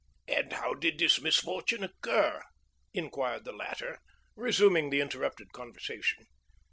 "And how did this misfortune occur?" inquired the latter, resuming the interrupted conversation.